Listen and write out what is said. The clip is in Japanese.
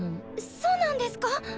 そうなんですか！？